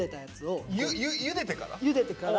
ゆでてから？